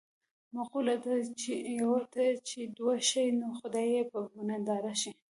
مقوله ده: یوه ته چې دوه شي نو خدای یې په ننداره شي.